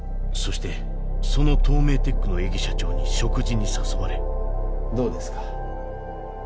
そしてそのトーメイテックの江木社長に食事に誘われどうですか？